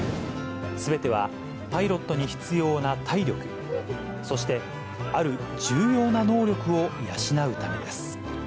すべてはパイロットに必要な体力、そして、ある重要な能力を養うためです。